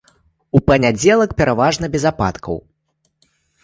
У панядзелак пераважна без ападкаў.